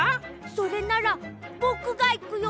それならぼくがいくよ。